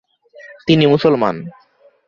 তিনি মুসলমান।